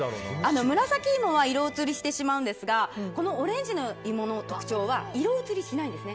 紫芋は色移りしてしまうんですがこのオレンジの芋の特徴は色移りしないんです。